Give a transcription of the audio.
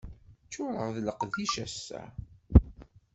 Ččureɣ d leqdic ass-a.